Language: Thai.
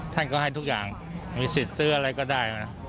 ท่านก็ให้ทุกอย่างมีสิทธิ์ซื้ออะไรก็ได้นะ